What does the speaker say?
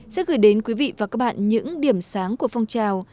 sẽ gửi đến quý vị và các bạn những điểm sáng của phong trào